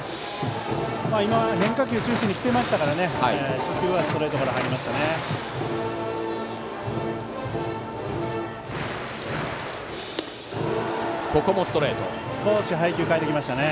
今は変化球中心に来ていましたから初球はストレートから入りましたね。